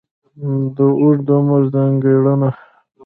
د اوږد عمر ځانګړنه.